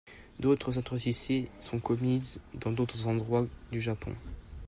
D'autres atrocités sont commis dans d'autres endroits du Japon.